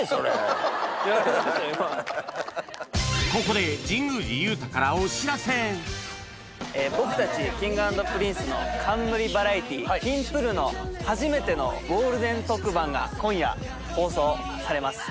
ここで僕たちＫｉｎｇ＆Ｐｒｉｎｃｅの冠バラエティー『Ｋｉｎｇ＆Ｐｒｉｎｃｅる。』の初めてのゴールデン特番が今夜放送されます。